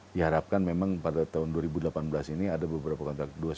diharapkan memang pada tahun dua ribu delapan belas ini ada beberapa kontrak dua satu